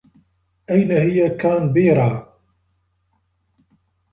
أين هي كانبيرا؟